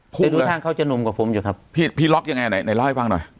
แต่ดูทางเขาจะนุ่มกว่าผมอยู่ครับพี่ล็อคยังไงล้อให้ฟังหน่อย